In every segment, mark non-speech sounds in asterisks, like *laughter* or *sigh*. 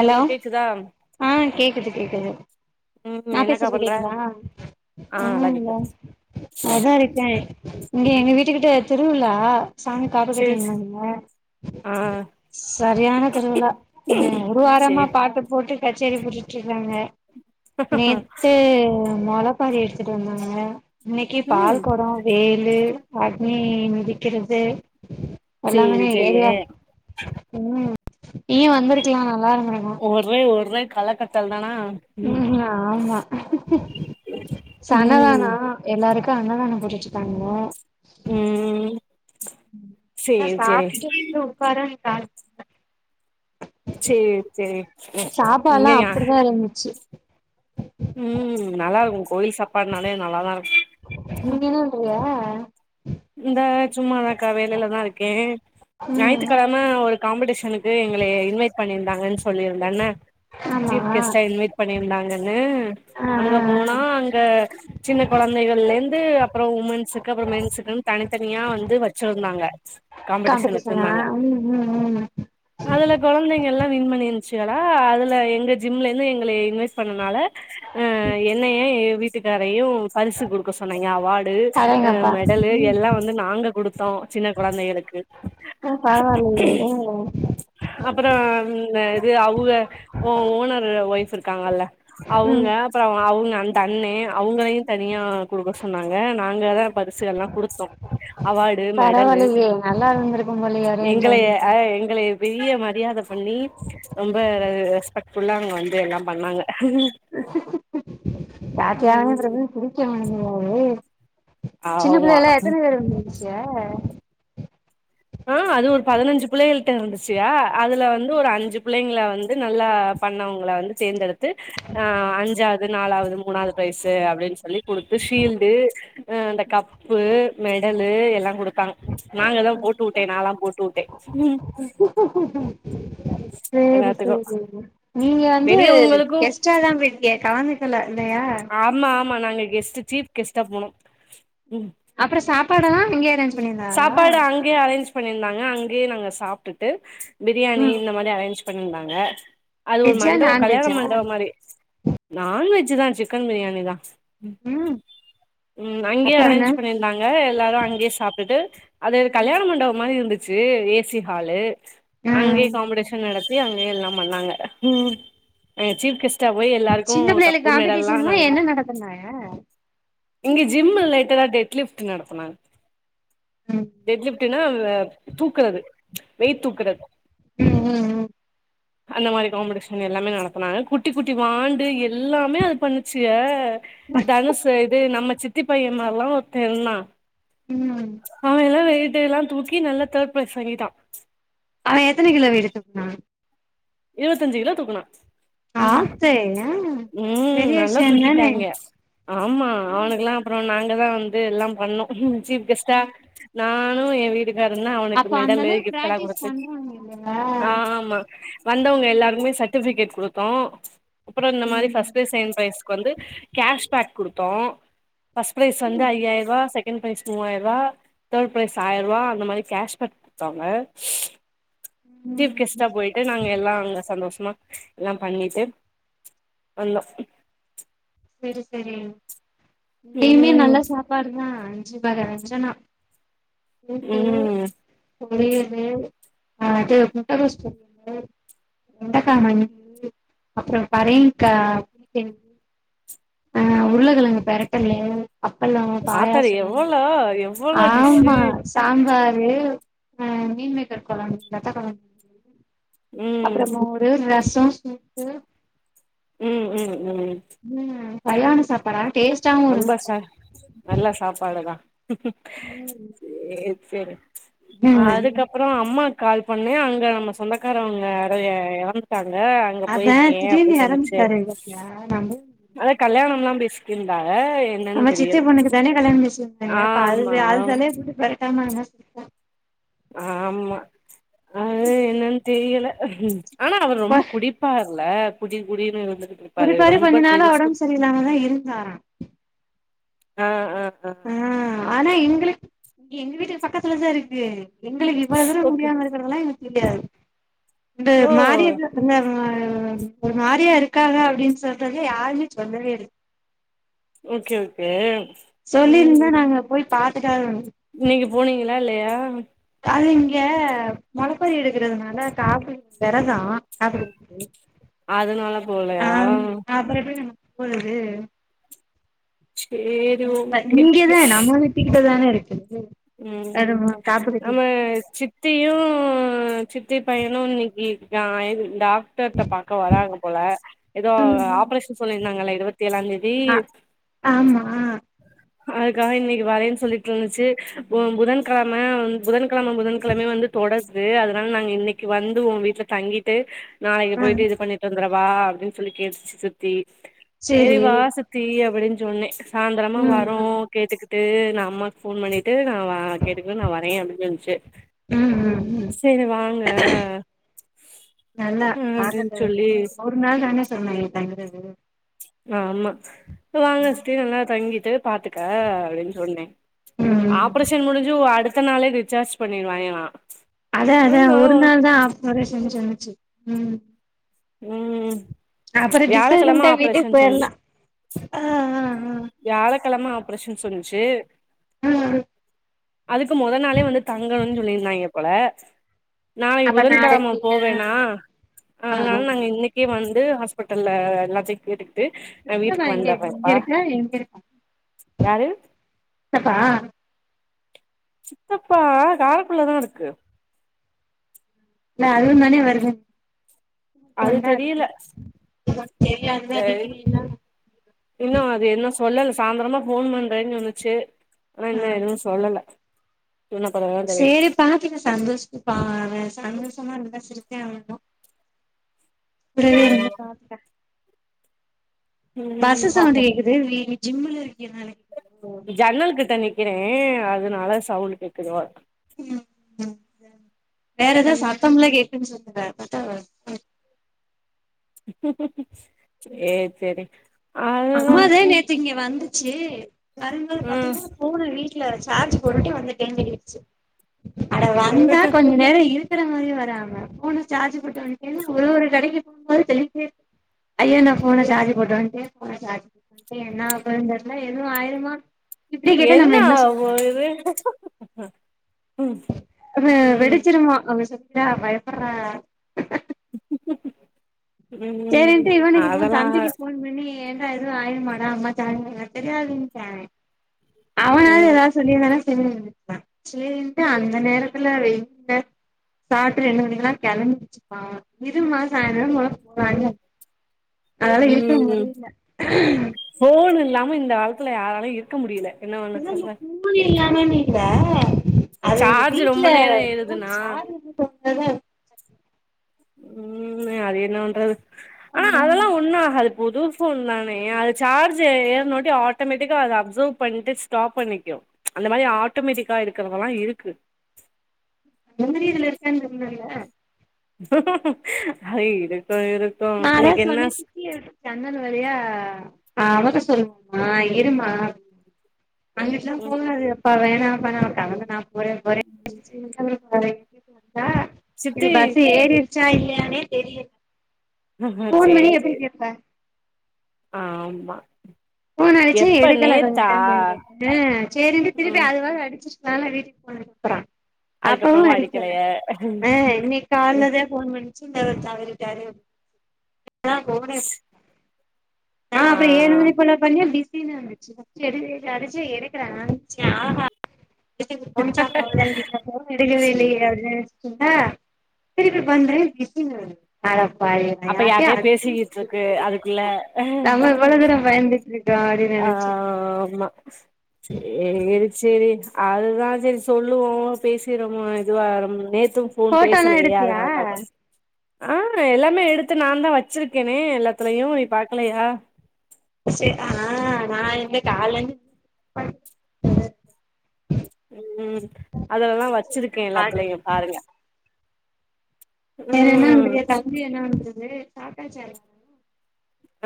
allow hello கேக்குதா ஆ கேக்குது கேக்குது ம் நா என்னக்கா பேசுறது பண்ற கேக்குதா ஆ அதா நல்லா கேக்குது நல்லா இருக்கே இங்க எங்க வீட்டு கிட்ட திருவுழா சாமிக்கு காப்பு சேரி சேரி கட்டிருந்தாங்க ஆ சரியான திருவிழா ஒரு வாரமா சேரி பாட்டுப்போ போட்டு கச்சேரி போட்டுட்டு இருக்குறாங்க நேத்து மொளப்பாரி எடுத்துட்டு வந்தாங்க இன்னிக்கு ம் பால் கொடோ வேலு அக்னி மீதிக்கிறது சேரி எல்லாமனி சேரி ஏரியா ம் நீயு வந்துருக்கலா நல்லா இருந் ஓரே ஓரே கலக்கட்டல் தானா ம் ம்ம் ஆமா சனதானா ம் எல்லாருக் கு அண்ணதானோ புடிச்சுடானுங்க ம் அதா சேரி சேரி சாப்டுட்டு வந்து உக்கார டானுங்க சேர் சேர் சாப்பாட்லா நீங்கயா அப்டிதா இருந்துச்சு நல்லா இருக்கும் கோவில் சாப்பாடுனாலே நல்லா தான் இருக்கும் நீ நின்னுட்ருந்தியா *unintelligible* இந்த சும்மாதாக்கா வேலையிலதான் இருக்கேன் ம் ஞாயித்துக்கிழமை ஒரு காம்படிஷன் னக்கு எங்களை இன்வைட் பண்ணிருந்தாங்க சொல்லியிருந்தேன்ல ஆமா சீப் கெஸ்டா ஆ இன்வைட் பண்ணியிருந்தாங்க ஆ அங்க போனா ஆ அங்க சின்ன குழந்தைகள்லந்து அப்புறம் உமன்ஸுக்கு அப்புறம்மென்ஸுக்கு தனித்தனியா வந்து வச்சிருந்தாங்க காம்படிஷன் காம்படிஷனா வச்சிருந்தாங்க ம் ம் ம் அதுல குழந்தைங்க எல்லாம் வின் பண்ணி ஆ அதுல எங்க ஜிம்ல இருந்து எங்களை இன்வெய்ட் பண்ணதனால ஆஹ் என்ன ஏன் வீட்டுக்காரையும் பரிசு குடுக்க சொன்னாய்ங்க அவாட் டு ஆ அடேங்கப்பா மெடலு ம் எல்லாம் வந்து நாங்க கொடுத்து கொடுத்தோம் சின்ன குழந்தைகளுக்கு ஆஹ பரவால்லையே உம் அப்புறம் இது அவங்க ஓனர் ஓய்ப் இருக்காங்கல்ல அவங்க ம் அப்புறம் அவங்க அந்த அண்ணே அவங்களையும் தனியா கொடுக்க சொன்னாங்க நாங்க தான் பரிசு கொடுத்தோம் அவார்டு மெடல் பரவால்லயே நல்லா இருந்திருக்கும் போலயே ஒரே எங்க என்ஜாய்மெண்ட்டா எங்களை பெரிய மரியாதை பண்ணி ரொம்ப ரெஸ்பெக்ட் புல்லா அங்க வந்து எல்லாம் பண்ணாங்க ம் ஜாலியாங்குறது புடிக்க மாட்டேங்குது ஓ சின்ன பிள்ளை ஆமா எல்லாம் எத்தனை பேர் வந்து ஏன் ஆஹ் அது ஒரு பதினஞ்சு பிள்ளைங்களிட்ட இருந்துச்சுங்க அதுல வந்து ஒரு அஞ்சு பிள்ளைங்க வந்து நல்லா பண்ணவங்கள வந்து தேர்ந்தெடுத்து அஞ்சாவது நாலாவது மூணாவது ப்ரைஸ் அப்படின்னு சொல்லி கொடுத்து ஷீல்டு அ அந்த கப்பு மெடல் எல்லாம் கொடு கொடுத்தாங்க நாங்க தான் போட்டு போட்டேன் நாலாம் போட்டு விட்டேன் சேரி சேரி நீங்க வந்து பெரியவங்களுக்கு கெஸ்ட்டா தான் போயிருந்தீங்க கலந்துக்கல இல்லையா ஆமா ஆமா நா கெஸ்ட் சீப் கெஸ்டா போனோம் அப்புறம் சாப்பாடு எல்லாம் இங்கே இருந்துச்சு சாப்பாடு அங்கே அரேஞ்ச் பண்ணியிருந்தாங்க அங்கேயே நாங்க சாப்ட்டுட்டு பிரியாணி ம் இந்த மாரி அரேஞ்ச் பண்ணிருந்தாங்க அது ஒரு வெஜ்ஜா மண்டப கல்யாண நான்வெஜ்ஜா மண்டப மாதிரி நான்வெஜ் தா சிக்கன் பிரியாணி தா ம் ம் அங்கேயே அப்புறோ என்ன அரேஞ்ச் பண்ணிருந்தாங்க எல்லாரு அங்கயே சாப் எட்டு அது ம் கல்யாண மண்டப மாரி இருந்து ச்சு ஏசி ஹாலு அங்கே ம் காம்படிஷன் நடத்தி அங்க அங்கே எல்லா பண்ணாங்க அ சீப் கெஸ்ட் சின்ன பிள்ளைகளுக் காம்படிஷன்லா என்ன குடுத்தோ நடத்துனாக இங்க ஜிம் லைட்டதா டெட் லிப்ட் நடத்தனாங்க ம் டெட் லிப்டு னா அ தூக்குறது வெய்ட் தூக்குறது ம் ம் ம் அந்த மாரி காம்படிஷன் எல்லாமே நடத்தனாங்க குட்டி குட்டி வாண்டு எல்லாமே அது பண்ணிச்சுக ம் இது அனுச இது நம்ம சித்தி பையமார்ல்லா ஒருத்தனா ம் ச எல்லா தூக்கி நல்லா தேட் ப்ரைஸ் வாங்கீடா அவ எத்தன கிலோ வைட் துக்குனா இருபத்தஞ்சு கிலோ தூக்குநா ம் ஆத்து ஆ ம் பெரிய நல்லா ம் விஷயந்தானே தூக்கிட்டாயிங்க ஆமா அவனுக்குல்லா அப்ற நாங்க தா வந்து எல்லா பண்ணு ஜீஃப் கெஷ்டா நா னு எ வீடு தா இருந்தா அவனுக்கு அப்ப அந்த மேடலு அளவுக்கு கிஃப்ட்ல்லா பிராக்டிஸ் கொடுத்து பண்றாங்க இல்லையா ஆ ஆமா வந்தங்க ம் எல்லாருக்குமே சட்ட கேக் குடுத்தோ அப்ற இந்த மாரி பர்ஸ்ட் ப்ரைஸ் செகண்ட் ப்ரைஸ்க்கு வந்து கேஸ் பேக் கொடுத்தோ பர்ஸ்ட்ப்ரைஸ் வந்து ம் ஐயாயிர ரூபாய் செ செகண்ட் ப்ரைஸ் மூவாயிர ரூபா தேர்ட் ப்ரைஸ் ஆயிர ரூவா அந்த மாரி கேஷ்பேக் கொடுத்தாங்க சீஃப் ம் கெஸ்ட்டா போயிட்டு நாங்க எல்லா அங்க சந்தோஷ் மா எல்லாம் பண்ணிட்டு வந்தோ செரி செரி இங்கயுமே ம் நல்லா சாப்பாடுதா அஞ்சி வர அஞ்சனா போயிட்டு ம் பொரியலு ஆ அது முட்டகோஸ் பொரியலு வெண்டக்கா மணி அப்புறம் பரயிகா பெணி ஆ உருளகிழங்கு பெரட்டெல்லு அப்பளோ ஆத்தாடி பாயாசோ எவ்வளோ எவ்வளோ டிஷ்ஷு ஆமா சாம்பார் அது ஆ மீன்மேக்கர் கொழம்பு வத்த கொழம் ம் அப்பறமா ஒரே ஒர் ரஸ் *unintelligible* உம் உம் உம் கயாண சாப்படா ரொம்ப சார் நல்லா சாப்பாடுதா *inaudible* உம் எவ் வேரு ஆ அதுக்கப்புறோ அம்மா கால் பண்ணே அங்க நம்ம சொந்தக்காரவுங்க யாரோ எ எறந்துட்டாங் அதா திடிறுணு எறந்துட்டுரு இலக்கியா நா போய் அலேக் கல்யாணம்யில்லா பேசிட்கிந்தா அவே சித்தி பொண்ணுக்கு தானே கல்யாண பேசி ஆமா த்தங்க *unintelligible* ட்ட மாரினா சுத்தா ஆமா அது என்னன்னு *inaudible* தெரியல ஆனா அவர் கொ ரொம்ப குடிப்பார் ல குடி குடினு குடிப்பாரு கொஞ்ச நாளு ஒடம்பு சரியலாமதா இருந்தாரா ஆ ஆ ஆ அஹா ஆனா எங்குளுக் எங்க வீட்டுக்கு பக்கத்துலதா இருக்கு எங்களுக்கு இவ்வளதூரோ ஓகே முடியாம இருந்துருக்கலா *unintelligible* அந்த ஓ மாறியது *unintelligible* ஒரு மாரியா இருக்காங்க அப்டின் சொல்றது யாருமே சொல்லவே இல் ஓகே ஓகே சொல்லிருந்தா நாங்க போய் பாத்துட் இன்னிக்கு போனீங்களா இல்லையா அது இங்க மொளப்பாரி எடுக்கறதுனால காப்பு வெறதோ கடப்பிடிக்குது அதனால போலயா இப்பொழுது சேரி ஓகே இங்கியேதா நம்ப வீட்டுக்கிட்டதான இருக் *inaudible* ம் நம்ம சித்தியு சித்தி பையனு இன்னிக்கு இருக்கா இருந்தா டாக்டர் பாக்க வராங்க போல ஏதோ ம் ம் ஆப்ரேஷன் சொல்லிருந்தாங்கள இருவத்தி ஏழாந் தேதி ஆ ஆமா அதுக்காக இன்னிக்கு வரேன் சொல்லிட்டு இருந்துச்சு புதன்கெழம புதன் கெழம புதன்கெழம வந்து தொடர் ந்து அதனால நாங்க இன்னிக்கு வந்துருவோ வீட்ல தங்கிட்டு நாளைக்கு ஆ போயிட்டு இது பண்ணிட்டு வந்துருவா வா அப்டின் சொல்லி கேட்டுச்சு சித்தி ஏ சேரி வா சித்தி அப்புடின் ஜொன்ன சாய்ந்தரமா ம் வர் ஓ ம் கேட்டுக்குத் டு நா அம்மாவுக் ஃபோன் பண்ணிட்டு நா கேட்டுக்குவ நா வரே அப்டின் சொல்லுச்சு ம் ம் ம் நல்லா அப்படின்னு பாக்கது சொல்லி ஒரு நாள்தானஸ் சொன்ன இங்க தங்கறது ஆமா வாங்க ஸ்ரீ நல்லா தங்கிட்டு பாத்துக்க அப்டின் சொன்னே ம் ஆப்ரேஷன் முடுஞ்சு அடுத் த்தனாளே டிச்சார்ஜ் பண்ணிடுவாங்களா அதா அதா ஒரு நாள்தா *unintelligible* செஞ்சாங்க ஞ்சு ம் ம் அப்புறம் வியாழக்கெழம விட்டுடோனே வீட்டுக்கு ஆப்ரேஷன் போயிடலாம்ஹஹ் வியாழ கிழமை ஆப்ரேஷன்னனு சொன்னுச்சு ஹம் அதுக்கு மொத நாளே வந்து தங்கணும்னு சொல்லியிருந்தாங்க போல நாளை அப்ப புதன்கிழமை நாளைக்கு ஆ போவேனா ஆ அதனால ஆ நாங்க இன்னைக்கே வந்து நல்லா செக்கு நான் சித்தப்பா வீட்டுக்கு எங்க இருக்கு வந்தறேன்ப்பா இங்க இருக்கோம் சித்தப்பா சித்தப்பா காருக்குள்ளதான் இருக்கு அதுவும் தானே வருது அது வண்டா இருக்கு தெரியல தேவா இருந்தா அ நீங்க இன்னு அது இன்னு சொல்லல சாயந்திரமா போன் பண்றேன்னு வந்துச்சு ஆ என்ன எதுவும் சொல்லல சொன்ன பெறகுதா செரி பாத்துங்க சந்தோஷ அவன் சந்தோஷமா நல்லா இருந்த ச கூடவே தெரியு இருந்து பாத்துக்க ம் பஸ்சு பாப்போ சவுண்ட்டு கேட்குது ஜிம்முல இருக்கேன் ஜன்னல்க்குத் தான் க்கிறேன் அதனால சவுண்ட கேட்க்கும் உம்வேற ஏதாவது ம் சத்தம்லாம் கேக்குதுன்னு சொல்ல சத்தம் வருது ஏ செரி அம்மா தான் நேத்து இங்க வந்து இருந்துச்சு கருங்கள ம் பாாரத்தீங்கன்னா போன வீட்டு சார்ஜ் போட்டுட்டு வந்துட்டேனுடுச்சு அட வந்தா கொஞ்ச நேரம் இரு இருக்கற மாதிரி வராங்க போனை சார்ஜ் போட்டுன்ன்னா ஒரு ஒரு கடைக்கு போகும்போது தெரிஞ்சே ஐய நான் போனை சார்ஜ் போட்டு வட்டேன் ட்டு என்ன ஆக போகுதுனு தெர்ல எதுவும் ஆயடுமா என்ன ஒரு இது ம் அ ம் வெடிச்சிருமா அவ சொ யா பயப்பறா ம் சரின்டு இவனுக் போன் அதெல்லா தம்பிக்கி போன் பண்ணி என் இது எது ஆயிடுமா டா அம்மா *unintelligible* தெரியாதுன் டா அவே ம் எதா சொல்லிந்தானா சோரிட்டா சேரின்ட்டு அந்த நேரத்துல வெயில சாப்ட்டு ரெண்டு மணிக்கில்லா கிளம்பி ருச்சுப்பா இரும்மா சாயிந்தரம் போலம் போலனு அதுனால இருக்க ம் முடியில ம் இந்த காலத்துல யாராலியு இருக்க முடியில என்ன வண்ண சோல்ற இல்லாமேனு இல்ல அது சார்ஜ் ரொம்ப வீட்டு்ல நேரோ போன் ஏறுதுன்னா *unintelligible* அத உம் அது என்னபாண்றது அனா அதுல்லா ஒண்ணு ஆகாது புது போன் தான ஏ அது சார்ஜு ஏற்னோட்டி ஆட்டோமேட்டிக்கா அத அப்ஜொர்வ் பண்ணிட்டு ஸ்டாப் பண்ணிக்கு அந்த மாரி ஆட்டோமேட்டிக்கா இருக்குறதெல்லா இருக்கு முதி இதுல இருக்கன் சொன்னல்ல அதையிடு நானே சொன்னே சத்திய விட்டு சன்னல் வழியா ஆ அவதா சொல்லுவா அம்மா இரும்மா அங்கிட்டுல்லா ம் போகாதே எப்பா வேணாம் *unintelligible* ஒரே ஒரே சின்னமே வரை அ இது சித்தி பஸ் ஏரிச் ச்சா இல்லியானே தெரிய போன் பண்ணி சேரி எப்டி சேரி கேப்ப ஆமா போன் அடிச்சே எப்ப எடுக்கல கொஞ்ச நேத்தா கழிஞ் அ சேரின்ட்டு திருப்பி ம் அதுவாக அடிச் நாலே வீட்டுக் போயிரப்புறா அப்பவு அதுக்கப்புறமா அடிக்கல அடிக்கலைய ஆ இன்னிக் காலதா போன் பண்ணி சின்னவரு தவரிட்டாரு *unintelligible* நா ஆ அப்புற ஏழு மணி போல பிசினு வந்துச்சு பஸ்ட்டு எடுக்கவேலயா அடிச்சு எடுக்க நானு நெச்சு ஆஹா சித்தி இது போனுசா போகலாயனு தெர்ல போன் எடுக்கவா சேரி இல்லையே அ திரிப்பி பண்றே பிசினு வருது அடப் அப்ப யாரையோ பேசிக்கிட்டு இருக்கு அதுக்குள்ள நம்ம இவ்ளோ தூரோ பயந்துட்டு இருக்கோ அப்டின்னு ஆ நெனச்சே ஆமா சேரி சேரி அதுதா சரி சொல்லுவோ பேசறோம இதுவாரு நேத் தும் ஃபோன் ஃபோட்டோலா பேசலையே எடுத்தியா அதனாலதாக்க ஆ எல்லாமே எடுத்து நாந்தா வச்சிருக்கேனே எல்லாத்துலயையு நீ பாக்கலையா சரி ஆ நா என்ன கால்லந்த் ம் அதுலல்லா வச்சிருக்கே எல்லாத்துலயு பாருங்க வேற என்ன ம் வந்திரிய தம்பி என்னா வந்ருது சாப்ட்டாசா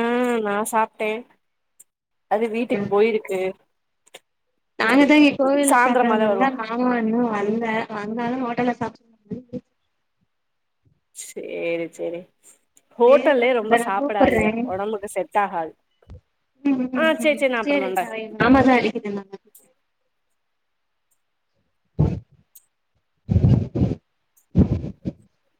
ஆ நா சாப்ட்டே அது வீட்டுக்கு போயிருக்கு நாங்க தா கோவில்ல சாந்தரமாதா பாக்கறதுல்லா வருவா மாமா இண்ணு வல் வந்தாலு ஹோட்டல்ல சாப்ப *inaudible* சேரி சேரி சேரி பா ஹோட்டல்லே ரொம்ப நா கூப்படுறே சாப்டாதீக ஒடம்புக்கு செட் ஆகாது ம் ஆ ம் நான் அப்புறம் சரி பண்ணுறேன் ச எ மாமாதா அடிக்குதுனா *inaudible*